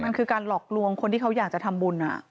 มันคือการหลอกลวงคนที่เขาอยากจะทำบุญ